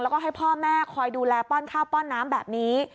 แล้วก็ให้พ่อแม่คอยดูแลป้อนข้าวป้อนน้ำแบบนี้